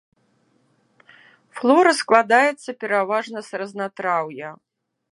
Флора складаецца пераважна з разнатраўя.